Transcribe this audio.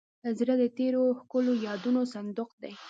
زړه د تېرو ښکلو یادونو صندوق دی.